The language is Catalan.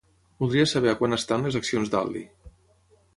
Voldria saber a quant estan les accions d'Aldi.